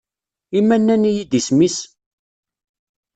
I ma nnan-iyi-d Isem-is?